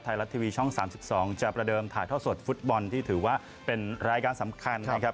ไทยรัฐทีวีช่อง๓๒จะประเดิมถ่ายท่อสดฟุตบอลที่ถือว่าเป็นรายการสำคัญนะครับ